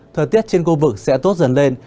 thời tiết trên khu vực sẽ tốt dần lên